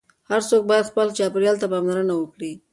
هر څوک باید خپل چاپیریال ته پاملرنه وکړي.